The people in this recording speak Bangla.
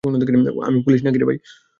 আমি পুলিশ নাকি?